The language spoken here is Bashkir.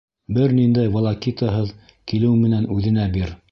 Бер ниндәй волокитаһыҙ, килеү менән үҙенә бир.